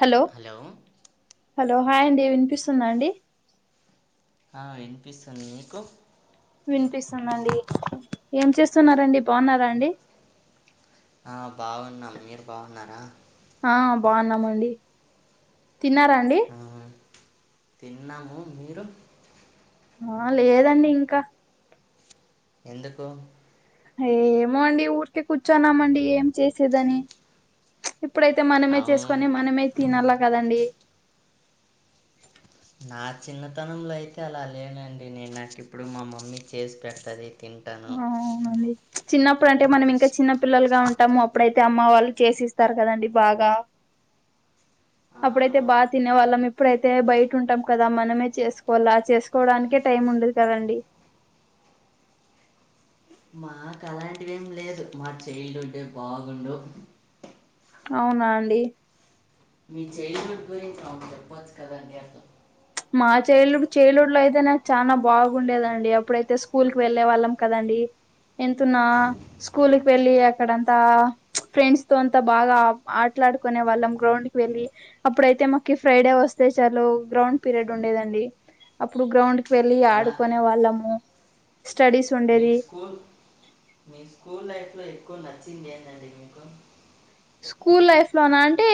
Hello hi అండి వినిపిస్తుందా అండి ఆ వినిపిస్తుంది మీకు వినిపిస్తుందిండి ఏం చేస్తున్నారు అండి బాగున్నారా అండి ఆ బాగున్నాం మీరు బాగున్నారా ఆ బాగున్నామండి తిన్నారా అండి ఆ తిన్నాము మీరు ఆ లేదండి ఇంకా ఎందుకు ఏమో అండి ఊరికే కూర్చున్నామండి ఏం చేసేదని ఇప్పుడైతే మనమే అవును చేసుకొని మనమే తినల్ల కదండి నా చిన్నతనంలో అయితే అలా లేనండి నేను నాకు ఇప్పుడు మా మమ్మీ చేసి పెడతది తింటాను హు అవునండి చిన్నప్పుడు అంటే మనం ఇంకా చిన్న పిల్లలుగా ఉంటాము అప్పుడైతే అమ్మ వాళ్ళు చేసిస్తారు కదండి బాగా ఆ, అప్పుడైతే బాగా తినే వాళ్ళం ఇప్పుడైతే బయట ఉంటాం కదా మనమే చేసుకోవాల్ల చేసు కోవడానికే టైం ఉండదు కదండి మాకు అలాంటివి ఏం లేదు మా చైల్డ్ హుడ్డే బాగుండు అవునా అండి మీ చైల్డ్ హుడ్ గురించి [unintelligible] చెప్పచ్చు కదా అండి అట్లా మా చైల్డ్ చైల్డ్ హుడ్ లో అయితే నాకు చాలా బాగుండేదండి అప్పుడైతే స్కూల్ కి వెళ్లేే వాళ్ళం కదండి వింతున్నావ స్కూల్ కి వెళ్ళి అక్కడంతా ఫ్రెండ్స్ తో అంతా బాగా ఆట్లాడుకునే వాళ్ళం గ్రౌండ్ వెళ్ళి అప్పుడైతే మాకి ఫ్రైడే వస్తే చాలు గ్రౌండ్ పీరియడ్ ఉండేదండి అప్పుడు గ్రౌండ్ కి వెళ్ళి అలా ఆడుకునే వాళ్ళము స్టడీస్ మీకు ఉండేది స్కూల్ మీ స్కూల్ లైఫ్లో ఎక్కువ నచ్చింది ఏంటండి మీకు స్కూల్ లైఫ్ లోన అంటే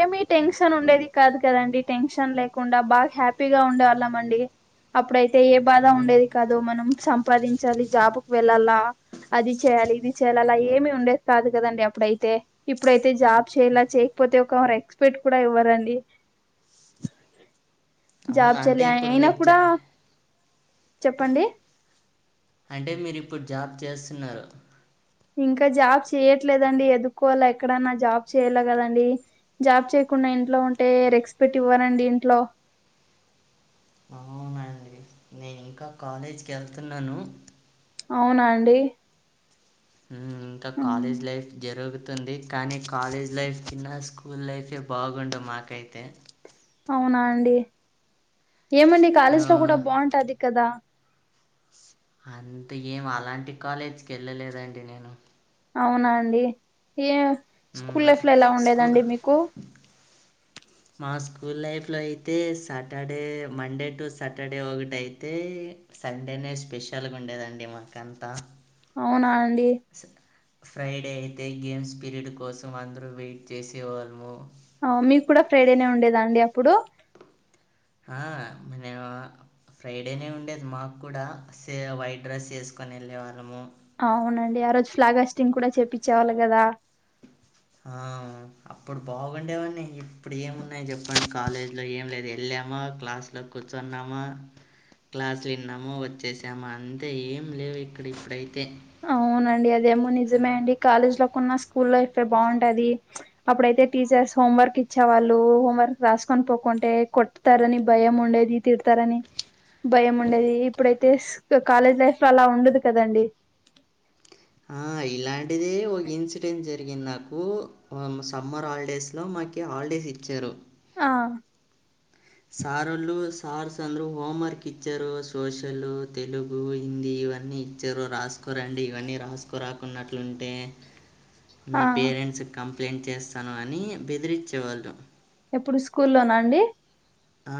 ఏమి టెన్షన్ ఉండేది కాదు కదండి టెన్షన్ లేకుండా బాగా హ్యాపీ పిగా ఉండేవాళ్ళమండి అప్పుడైతే ఏ బాధ ఉండేది కాదు మనం సంపాదించాలి జాబ్ుకి వెళ్ళాలా అది చేయ్యాలి ఇది చెయ్యాలి అలా ఏమి ఉండేది కాదు కదండి అప్పుడైతే ఇప్పుడైతే జాబ్ చేయలా చేయకపోతే ఒక ఎక్స్పెక్ట్ కూడా ఇవ్వరండి ఒ జాబ్ చెయాలి అయినా కూడా చెప్పండి అంటే మీరు ఇప్పుడు జాబ్ చేస్తున్నారు ఇంకా జాబ్ చేయట్లేదండి ఎదుకోవాల ఎక్కడన్నా జాబ్ చేయ్యాల కదండి జాబ్ చేయకుండా ఇంట్లో ఉంటే రెక్స్పెక్ట్ ఇవ్వారండి ఇంట్లో ఆ ఇంకా కాలేజ్కి వెళ్తున్నాను అవునా అండి మ్ ఇంకా కాలేజ్ లైఫ్ జరుగ్ తుంది కానీ కాలేజ్ లైఫ్ కన్నా స్కూల్ లైఫే బాగుండు మాకైతే అవునా అండి ఏమండి ఆ కాలేజ్ లో కూడా బాగుంటాది కదా అంత ఏం అలాంటి కాలేజీకి వెళ్ళలేదండి నేను అవునా అండి ఏ స్కూల్ మ్మ్ లైఫ్ లో ఎలా స్కూ ఉండేదండి మీకు మా స్కూల్ లైఫ్లో అయితే సాటర్డే మండే టు సాటర్డే ఒకటిైతే సండేనే స్పెషల్గా ఉండేదండి మాకంతా అవునా అండి ఫ్రైడే అయితే గేమ్స్ పీరియడ్ కోసం అందరూ వెయిట్ చేసేవాళ్ళము ఆ మీకు కూడా ఫ్రైడేనే ఉండేదా అండి అప్పుడు ఆ అమ్ ఫ్రైడేనే ఉండేది మాకు కూడా సే వైట్ రైస్ చేసుకోని వెళ్ళే వాళ్ళము అవునండి ఆ రోజు ఫ్లాగాస్టింగ్ కూడా చేప్పిచ్చేవాళ్ళు కదా ఆ అప్పుడు బాగుండేవన్ని ఇప్పుడు ఏమున్నాయి చెప్పండి కాలేజీలో ఏం లేదు వెళ్ళామా క్లాస్లో కూర్చున్నామా క్లాసులు విన్నాము వచ్చేసామ అంతే ఏం లేవు ఇక్కడ ఇప్పుడైతే అవునండి అదేమో నిజమే అండి కాలేజ్ లో కన్నా స్కూల్ లైఫె బాగుంటది అప్పుడైతే టీచర్స్ హోం వర్క్ ఇచ్చేవాళ్ళు హోంవర్క్ రాసుకొని పోకుంటే కొట్ తారని భయం ఉండేది తిడుతారని భయం ఉండేది ఇప్పుడైతే కాలేజ్ లైఫ్ లో అలా ఉండదు కదండి ఆ ఇలాంటిదే ఒక ఇన్సిడెంట్ జరిగింది నాకు సమ్మర్ హాలిడేస్లో మాక్ కి హాలిడేస్ ఇచ్చారు ఆ సార్ వాళ్ళు సార్స్ అందరూ హోమ్వర్క్ ఇచ్చారు సోషల్ తెలుగు హిందీ ఇవన్నీ చరు రాసుకురండి ఇవన్నీ రాసుకురాకున్నట్లుంటే మీ ఆ పేరెంట్స్ క్ కంప్లైంట్ చేస్తాను అని బెదిరించేవాళ్ళు ఎప్పుడు స్కూల్లోన అండి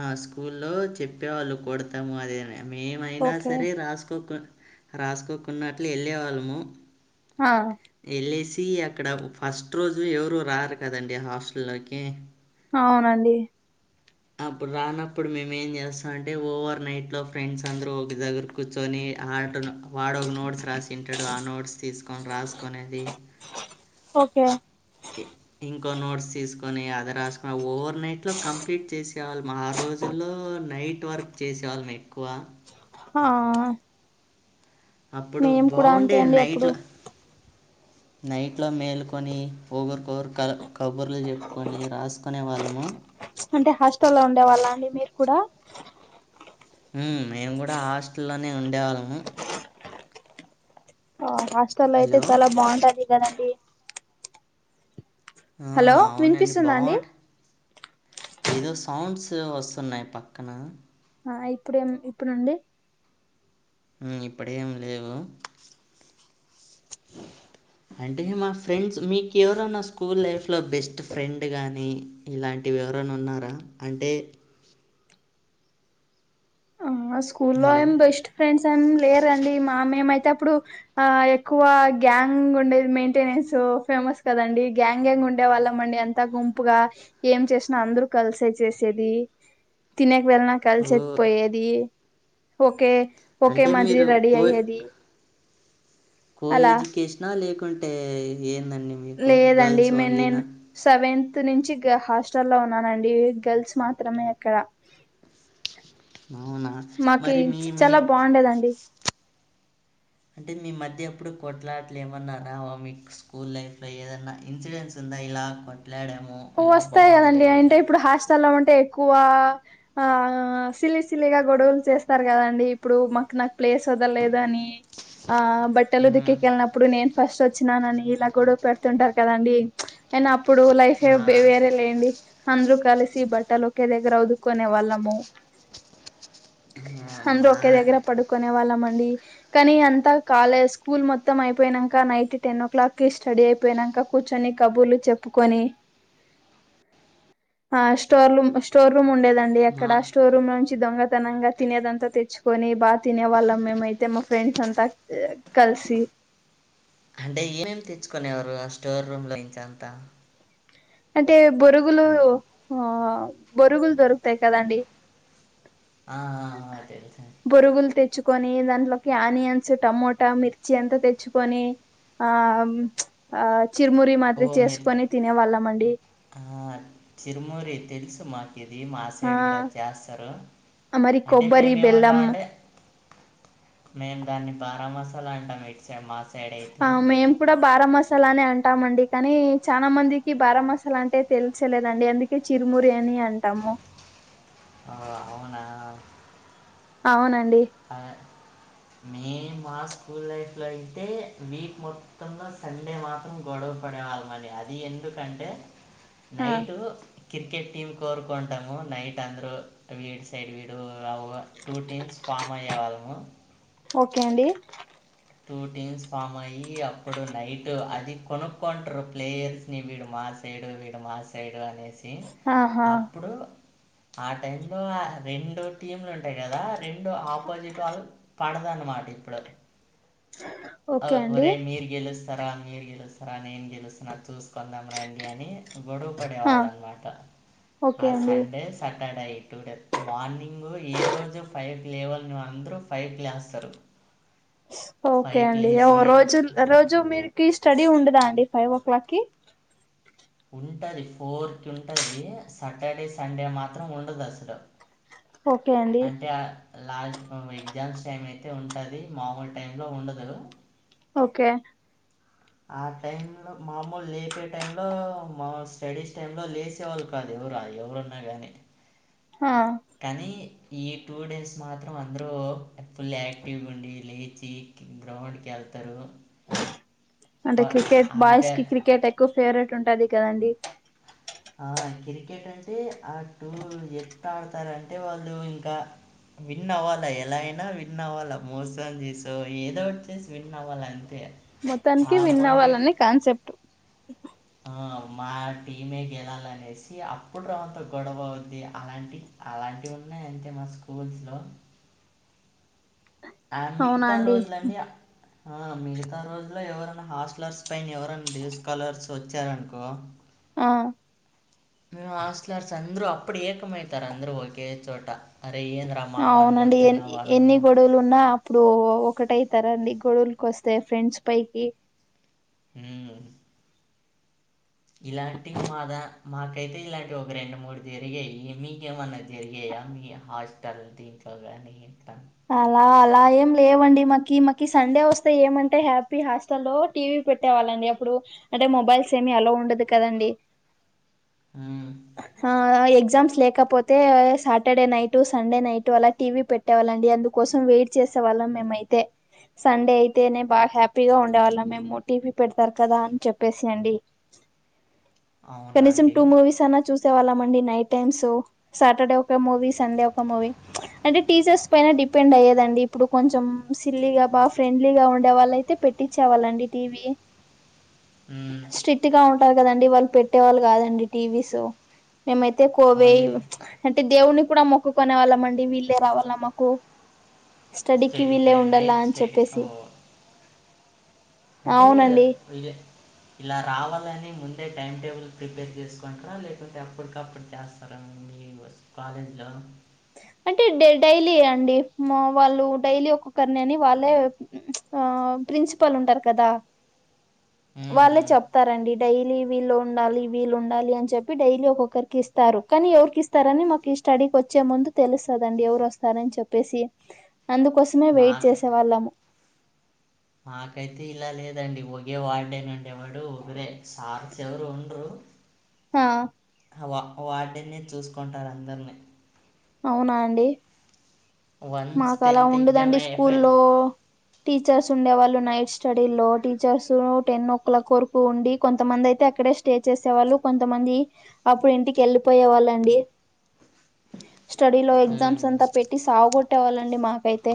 ఆ స్కూల్లో చెప్పేవాళ్ళు కొడతాము అదే మేమైనా ఓకే సరే రాసుకోకు రాసుకోకున్నట్లు వేళ్ళే వాళ్ళము ఆ వెళ్ళేసి అక్కడ ఫస్ట్ రోజు ఎవరు రారు కదండి హాస్టల్లోకి అవునండి అప్పుడు రానప్పుడు మేము ఏం చేస్తాం అంటే ఓవర్ నైట్ లో ఫ్రెండ్స్ అందరూ ఒక దగ్గర కూర్చొని ఆట వాడు ఒక నోట్స్ రాసింటాడు ఆ నోట్స్ తీసుకొని రాసుకునేది ఓకే ఏ ఇంకో నోట్స్ తీసుకొని అది రాసుకొని ఓవర్నైట్లో కంప్లీట్ చేసేవాళ్ళం ఆ రోజుల్లో నైట్ ట్ వర్క్ చేసేవాళ్ళం ఎక్కువ ఆ అప్పుడు మేము కూడా బాగుండే అంతే అండి నైట్ అప్పుడు లా నైట్లో మేలుకొని ఒకరికొకరు కబుర్లు చెప్పుకొని రాసుకునే వాళ్ళము అంటే హాస్టల్ లో ఉండే వాళ్ళ అండి మీరు కూడా ఉమ్ మేము కూడా హాస్టల్లోనే ఉండేవాళ్ళము ఆ హాస్టల్ అయితే హలో చాలా బాగుంటాది కదండి ఆ హలో అవునండి వినిపిస్తుందా అండి బాగుంట ఏదో సౌండ్స్ వస్తున్నాయి పక్కన ఆ ఇప్పుడేం ఇప్పుడు అండి ఉమ్ ఇప్పుడేం లేవు అంటే మా ఫ్రెండ్స్ మీకు ఎవరో నా స్కూల్ లైఫ్ లో బెస్ట్ ఫ్రెండ్ కానీ ఇలాంటివి ఎవరైనా ఉన్నారా అంటే మా స్కూల్లో హలో ఏం బెస్ట్ ఫ్రెండ్స్ ఏమి లేరండి మా మేమైతే అప్పుడు ఆ ఎక్కువ గ్యాంగ్ ఉండేది మెయింటెనెన్స్ ఫేమస్ కదండి గ్యాంగ్ గ్యాంగ్ ఉండే వాళ్ళం అండి అంత గుంపుగా ఏం చేసినా అందరు కలిసే చేసేది తినేకి వెళ్ళినా ఓ కలిసేకి పోయేది ఓకే ఒకే అంటే మాదిరి మీరు రెడీ కో అయ్యేది కో అలా ఎడ్యుకేషనా లేకుంటే ఏందండి మీకు గర్ల్స్ ఓన్లీనా సెవెన్త్ నుంచి హాస్టల్ లో ఉన్నానండి గర్ల్స్ మాత్రమే అక్కడ అవునా మరి మీ మీ. ఉండేది అండి. అంటే మీ మధ్య ఎప్పుడు కొట్లాటలు ఏమన్నా రావా మీకు స్కూల్ లైఫ్ లో ఏదన్నా ఇన్సిడెంట్స్. గుర్తుందా ఇలా కొట్లాడం. టూ వస్తాయి కదండి అయింటే ఇప్పుడు హాస్టల్ల్లో ఉంటే ఎక్కువ. ఆ సిలి సిలిగా గొడవలు చేస్తారు కదండి ఇప్పుడు మాకు నాకు ప్లేస్ వదలేదు అని. [inaudible] ఆ బట్టలు ఉతికే ఉమ్. కేళ్ళినప్పుడు నేన్. ఫస్ట్ వచ్చినానని ఇలా గొడవ పెడుతుంటారు కదండి నేను అప్పుడు లైట్ హె ఆ! బ్చే వేరే లేండి అందరూ కలిసి బట్టలు ఒకే దగ్గర ఉతుకునే వాళ్ళము. ఆ! అందరూ మా ఒకే దగ్గర పడుకునే వాళ్ళం అండి. కానీ అంతా కాలే స్కూల్ మొత్తం అయిపోయినాక నైట్ టెన్ ఓ క్లాక్ కి స్టడీ అయిపోయినాక. కూర్చొని కబుర్లు చెప్పుకొని. ఆ స్టోర్ రూమ్ స్టోర్ రూమ్ ఉండేదండి మా అక్కడ స్టోర్ రూమ్ నుంచి దొంగతనంగా. తినేదంతా తెచ్చుకొని బాగా తినే వాళ్ళం మేమయితే మా ఫ్రెండ్స్ అంతా కలిసి. అంటే ఏమేమి తెచ్చుకునేవరు ఆ స్టోర్ రూమ్ లో నుంచి అంతా. అంటే బొరుగులు ఆ బొరుగులు దొరుకుతాయి కదండి. ఆ ఆ ఆ తెలుసండి. బొరుగులు తెచ్చుకొని దాంట్లోకి ఆనియన్స్, టమోటా, మిర్చి అంతా తెచ్చుకొని. ఆ ఆ చిరుమురి ఓ మాదిరి మీరు చేసుకొని తినేవాళ్ళం అండి ఆ చిరుమరి తెలుసు మా ఇది మా ఆ సైడ్ కూడ చేస్తారు. మరి అంటే కొబ్బరి మేము బెల్లం ఏమంటామంటే, మేము దాన్ని బారామసాలా అంటాం ఇటు సైడ్ మా సైడ్ అయితే. ఆ మేము కూడ బారామస మసాలానే అంటామండి కానీ చానా మందికి బారమసాలా అంటే తెల్చలేదండి అంది అంటే చిరుమురి అని అంటాము. ఆ అవునా అవునండి అ మే మా స్కూల్ లైఫ్ లో అయితే వీక్ మొత్తంలో సండే మాత్ మాత్రం గొడవ పడే వాళ్ళం అండి అది ఎందుకంటే ఆ నైటు క్రికెట్ టీమ్ కోరుకుంటాము నైట్ అందరు వీడి సైడ్ వీడు అవ్ టూ టీమ్స్ పామ్ అయ్యే వాళ్ళము. ఓకె అండి టూ టీమ్స్ ఫామ్ అయి అప్పుడు నైట్ అది కొను కొంటర్ ప్లేయర్స్ ని వీడు మా సైడ్ వీడు మా సైడ్ అనేసి ఎ ఆహా అప్పుడు ఆ టైమ్ లో రెండు టీం లు ఉంటాయి కదా రెండు ఆపోజిట్ వాళ్ళు పడదన్నమాట ఇప్పుడు ఆ ఓకే అండి ఒరే మీరు గెలుస్తారా, మీరు గెలుస్తారా నేన్ గెలుస్తాన చూస్ కుందాం రండి అని గొడవ పడే ఆ వాళ్ అనమాట. ఆ ఓకే అండి సండే సాటర్డే ఈ టూ డే మార్నింగు ఏ రోజు ఫైవ్ కి లేవని అందరుూ ఫైవ్ కి లేస్తారు. స్ ఓకే ఫైవ్కి అండి లేచి రోజు రోజు మీరికి స్టడీ ఉండదా అండి ఫైవ్ ఓ క్లాక్ కి. ఉంటది ఫోర్ కి ఉంటది. సాటర్డే, సండే మాత్రం ఉండదు అసలు. ఓకే అండి అంటే లాస్ట్ మూమె ఎగ్జామ్స్ టైం అయితే ఉంటది మామూలు టైం లో ఉండదు. ఓకె ఆ టైం లో మామూలు లేపే టైమ్ లో మా స్టడీస్ టైం లో లేస్ వచ్చే వాళ్ళు కాదు ఎవర ఎవరున్నా గాని. హా కానీ ఈ టూ డేస్ మాత్రం అందరుూ ఫుల్ యాక్టివ్ గుండి లేచి గ్రౌండ్కి ఎళ్తారు అంటే క్రికెట్ బాయ్స్ అంపైర్ కి క్రికెట్ ఎక్కువ ఫేవరెట్ ఉంటది కదండి ఆ క్రికెట్ అంటే ఆ టూ ఎట్ ఆడతారంటే వాళ్ళు ఇంకా విన్ అవ్వాలా ఎలాగైనా విన్ అవ్వాలా మోసాలు చేసో ఏదో ఒకటి చేసి విన్ అవ్వాలా అంతే మొత్తానికి ఆ విన్ అవ్వాలని కాన్సెప్ట్ ఆ మా టీమే గెలాలనేసి అప్పుడు రొంత గొడవ అవుద్ది అలాంటి అలాంటివి ఉన్నాయ్ అంతే మా స్కూల్స్లో ఆ అవునా మిగతా అండి రోజులన్నీ ఆ మిగతా రోజులో ఎవరన్న హాస్టలర్స్ పైన ఎవరైనా డేస్ కాలర్స్ వచ్చారనుకో ఆ హాస్లర్స్ అందరు అప్పుడు ఏకమయితారు అందరు ఒకే చోట అరే ఏంది రా మా వాను కోడుతున్నావు అనో లు ఉన్నా అప్పుడు ఒకటైతారండి గొడవలకి వస్తే ఫ్రెండ్స్ పైకి ఉమ్మ్ ఇలాంటి మాదా మాకైతే ఇలాంటివి ఒక రెండు మూడు జరిగాయి మీకేమన్న జరిగాయా మీ హాస్టల్ దీంట్లోగాని ఇట్టా అలా అలా ఏం లేవండి మాకి మాకి సండే వస్తే ఏమంటే హ్యాపీ హాస్ట లో టీవీ పెట్టే వాళ్ళండి అప్పుడు అంటే మొబైల్స్ ఏమి అల్లో ఉండదు కదండి. ఉమ్మ్ హా ఎగ్జామ్స్ లేకపోతే సాటర్డే నైట్ సండే నైట్ అలా టీవీ పెట్టేవాళ్ళ అండి అందుకోసం వెయిట్ చేసేవాళ్ళం మేమైతే సండే అయితేనే బాగా హ్యాపీగా ఉండేవాళ్ళం మేము టీవీ పెడతారు కదా అని చెప్పేసి అండి అవునా కనీసం అండి టూ మూవీస్ అన్నా చూసేవాళ్ళం అండి night times Saturday movie Sunday ఒక మూవీ అంటే టీచర్స్ పైన డిపెండ్ అయ్యదండి ఇప్పుడు కొంచెం సిల్లీగా బా ఫ్రెండ్లీగా ఉండే వాళ్ళ అయితే పెట్ పేట్టిచ్చేవాలండి టీవీ ఉమ్మ్ స్ట్రిక్ట్ గా ఉంటారు కదండి వాళ్ళు పెట్టే వాళ్ళు కాదండి టీవీస్ మేమైతే కోవే ఓన్లీ అంటే దేవుని కూడా మొక్కునే వాళ్ళంమండి వీళ్ళే రావాల మా కు స్టడీకి స్టడీ వీళ్ళే టైం ఉండాలా నైట్ అని స్టడీ చెప్పేసి ఓ అంటే కదా అవునండి [inaudible] ఇలా రావాలని ముందే టైం టేబుల్ ప్రిపేర్ చేసుకుంటారా లేకుంటే అప్పటికప్పుడు చేస్త తర అండి కాలేజ్లో అంటే డ డైలీ అండి వాళ్ళు డైలీ ఒక్కొక్కరిని అని వాళ్ళే ఆ ప్రిన్సిపాల్ ఉంటారు కదా వాళ్ళే ఉమ్. చెప్తారండి డైలీ వీళ్ళు ఉండాలి వీళ్ళు ఉండాలి అని చెప్పి డైలీ ఒక్కొక్కరికి ఇస్తారు కానీ ఎవరికి ఇస్త ఇస్తారని మాకు ఈ స్టడీకి వచ్చే ముందు తెలుస్తదండి ఎవరు వస్తారని చెప్పేసి అందుకోసమే వెయిట్ మాక చేసేవాళ్ళము మాకైతే ఇలా లేదండి ఒకే వార్డెన్ ఉండే వాడు ఒకరే సార్ ఎవరు ఉండ్రరు హా వా వార్డెన్ చూసుకుంటారు అందరిని అవునా అండి వన్స్ మాకు అలా టెన్త్ ఎగ్జామ్ ఉండదండి అయిపోయి స్కూల్లో టీచర్స్ ఉండేవాళ్ళు నైట్ స్టడీ లో టీచర్స్ టెన్ ఓ క్లాక్ వరకు ఉండి కొంతమంది అయితే అక్కడే స్టే స్టే చేసే వాళ్ళు కొంతమంది అప్పుడు ఇంటికి వెళ్ళిపోయే వాళ్ళ అండి స్టడీలో ఎగ్జామ్స్ మ్మ్. అంతా పెట్టి సావకోట్టేవాలండి మాకైతే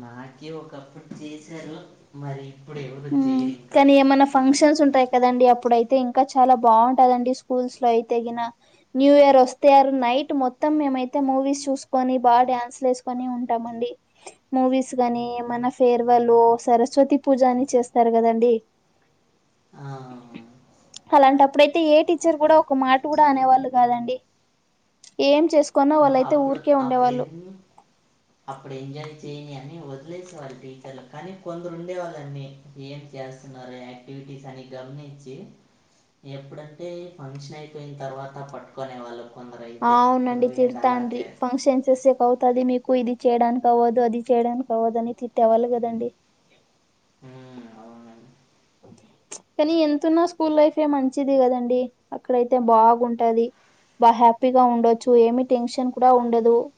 మాకే ఒకప్పుడు చేశారు మరి ఇప్పుడు ఎవరు ఉమ్ చేయరు ఇంకా కానీ ఏమైనా ఫంక్షన్స్ ఉంటాయి కదండి అప్పుడయితే ఇంకా చాలా బాగుంటదండి స్కూల్స్ లో అయితేగిన న్యూ ఇయర్ వస్తే ఆ రోజు నైట్ మొత్తం మేమైతే మూవీస్ చూసుకొని బాగా డ్యాన్స్లు వేసుకొని ఉంటామండి మూవీస్ గాని ఏమైనా ఫేర్వెల్ సరస్వతి పూజాని చేస్తారు కదండి ఆ అలాంటంప్పుడైతే ఏ టీచర్ కూడా ఒక మాట కూడా అనేవాళ్ళు కాదండి ఏం చేసుకున్న ఆ, వాళ్ళయితే అప్పుడు ఊరికే అప్పుడు ఉండేవాళ్ళు ఎన్ని అప్పుడు ఎంజాయ్ చేయని అని వదిలేసేవాళ్ళు టీచర్లు కానీ కొందరు ఉండేవాళ్ళండి ఏం చేస్తున్నారు యాక్టివిటీస్ అని గమనించి ఎప్పుడంటే ఫంక్షన్ అయిపోయిన తర్వాత పట్టుకొనే వాళ్ళు కొందరు అయితే అండి నువ్వేంటి అలా తిడతాండ్రి చే ఫంక్షన్స్ చేసేకు అవుతాది మీక్ క్కు ఇది చేయడానికి అవ్వదు అది చేయడానికి అవ్వదు అని తిట్టేవాళ్ళు కదండి మ్మ్ అవును కాని ఎంతున్నా స్కూల్ లైఫే మంచిది కదండి అక్కడయితే బాగుంటది బా హ్యాపీగా ఉండొచ్చు ఏమి టెన్షన్ కూడా ఉండదు